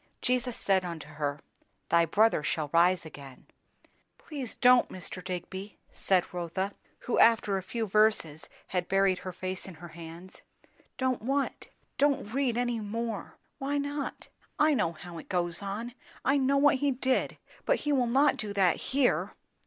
"'Jesus said unto her, Thy brother shall rise again.' " "Please don't, Mr. Digby!" said Rotha, who after a few verses had buried her face in her hands. "Don't what?" "Don't read any more." "Why not?" "I know how it goes on. I know what he did. But he will not do that here."